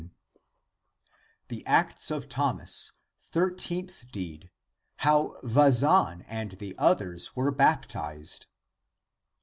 348 THE APOCRYPHAL ACTS Thirteenth Deed. how vazan and the others were baptized.